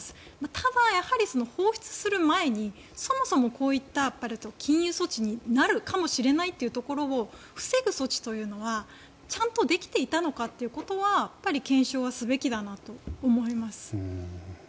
ただ、放出する前にそもそもこういった禁輸措置になるかもしれないというところを防ぐ措置というのはちゃんとできていたのかというのは検証はすべきだなと思います。